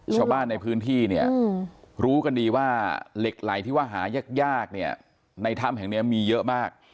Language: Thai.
ชาวบ้านในพื้นที่เนี่ยรู้กันดีว่าเหล็กไหลที่ว่าหายากเนี่ยในถ้ำแห่งนี้มีเยอะมาก